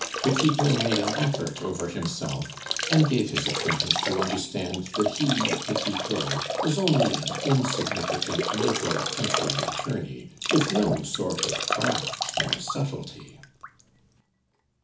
Petit Claud made an effort over himself, and gave his acquaintance to understand that he (Petit Claud) was only an insignificant little country attorney, with no sort of craft nor subtlety.